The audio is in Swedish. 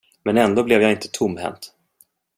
Men ändå blev jag inte tomhänt.